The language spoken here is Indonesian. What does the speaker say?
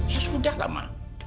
ya sudah ma